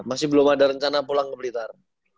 masih belum ada rencana pulang ke blitar